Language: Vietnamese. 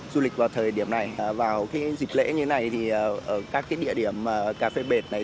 du lịch vào thời điểm này vào cái dịp lễ như này thì ở các địa điểm cà phê bệt này